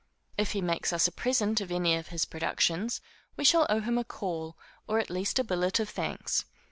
If he makes us a present of any of his productions, we shall owe him a call, or at least a billet of thanks.